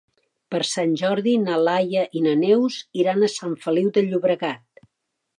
Per Sant Jordi na Laia i na Neus iran a Sant Feliu de Llobregat.